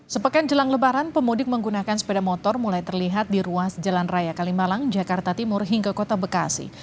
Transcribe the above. sepekan jelang lebaran pemudik menggunakan sepeda motor mulai terlihat di ruas jalan raya kalimalang jakarta timur hingga kota bekasi